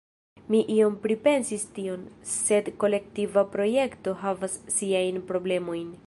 Mi iom pripensis tion, sed kolektiva projekto havas siajn problemojn.